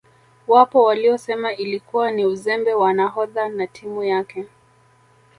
Wapo waliosema ilikuwa ni uzembe wa nahodha na timu yake